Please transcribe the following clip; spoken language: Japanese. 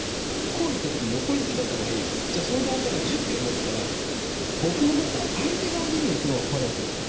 こういった時に横一線だった場合その団体が１０票持っていたら僕のほうから相手側陣営に行くのは怖いわけですよ。